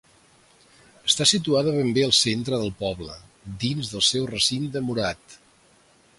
Està situada ben bé al centre del poble, dins del seu recinte murat.